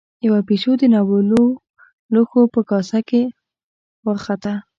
يوه پيشو د ناولو لوښو په کاسه کې وخته.